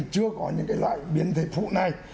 chưa có những cái loại biến thể phụ này